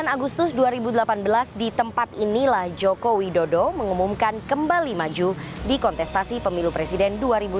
sembilan agustus dua ribu delapan belas di tempat inilah jokowi dodo mengumumkan kembali maju di kontestasi pemilu presiden dua ribu sembilan belas